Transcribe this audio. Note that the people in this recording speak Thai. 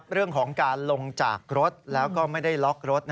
เรื่องของการลงจากรถแล้วก็ไม่ได้ล็อกรถ